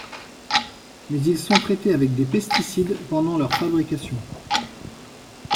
Mais ils sont traités avec des pesticides pendant leur fabrication.